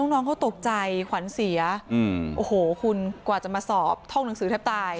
น้องเขาตกใจขวัญเสียโอ้โหคุณกว่าจะมาสอบท่องหนังสือแทบตาย